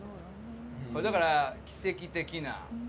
だから奇跡的な。